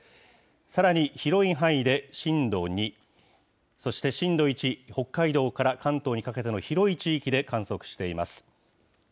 さらに広い範囲で震度２、そして震度１、北海道から関東にかけての広い地域で観測しています。